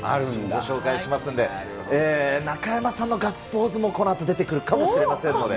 ご紹介しますんで、中山さんのガッツポーズもこのあと出てくるかもしれませんので。